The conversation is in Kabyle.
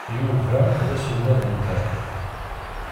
Yuba d aselmad-nteɣ.